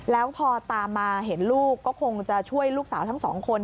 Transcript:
แล้วพอตามมาเห็นลูกก็คงจะช่วยลูกสาวทั้งสองคน